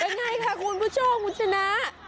ยังไงค่ะคุณผู้ชมคุณชนะ